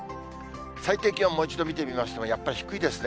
最低気温、もう一度見てみましても、やっぱり低いですね。